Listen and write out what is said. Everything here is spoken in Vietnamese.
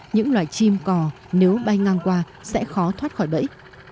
những loài chim cò nếu bay ngang qua sẽ khó thoát khỏi bẫy